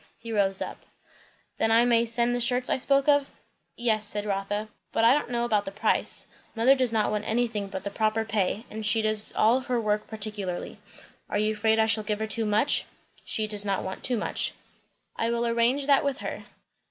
He rose up. "Then I may send the shirts I spoke of?" "Yes," said Rotha; "but I don't know about the price. Mother does not want anything but the proper pay; and she does all her work particularly." "Are you afraid I shall give her too much?" "She does not want too much." "I will arrange that with her.